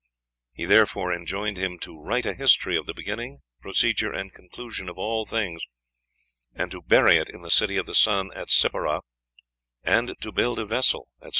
He therefore enjoined him to write a history of the beginning, procedure, and conclusion of all things, and to bury it in the City of the Sun at Sippara, and to build a vessel," etc.